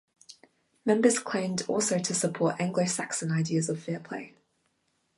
Members claimed also to support Anglo-Saxon ideas of fair play.